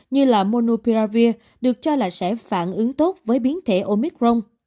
như là monopiavir được cho là sẽ phản ứng tốt với biến thể omicron